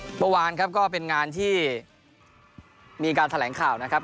เมื่อวานครับก็เป็นงานที่มีการแถลงข่าวนะครับ